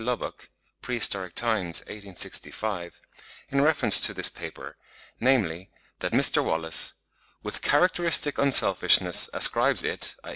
Lubbock ('Prehistoric Times,' 1865, p. 479) in reference to this paper, namely, that Mr. Wallace, "with characteristic unselfishness, ascribes it (i.